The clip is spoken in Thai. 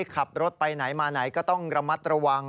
ขับรถไปไหนมาไหนก็ต้องระมัดระวัง